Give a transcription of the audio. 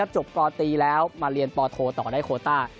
กตีแล้วมาเรียนปโทต่อได้โคต้า